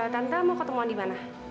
tante mau ketemuan di mana